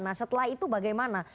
nah setelah itu bagaimana